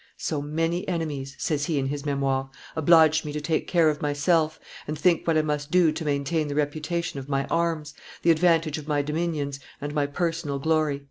"So many enemies," says he in his Memoires, "obliged me to take care of myself, and think what I must do to maintain the reputation of my arms, the advantage of my dominions, and my personal glory."